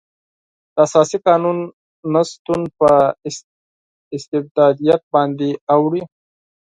د اساسي قانون نشتون په استبدادیت باندې اوړي.